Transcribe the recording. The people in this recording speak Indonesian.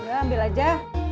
udah ambil aja